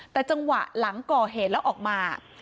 แต่จังหวะหลังก่อเหตุแล้วออกมา